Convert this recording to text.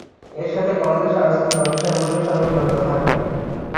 এর সাথে কলেজের সাংস্কৃতিক অনুষ্ঠানগুলির সঙ্গে জড়িত থাকতেন।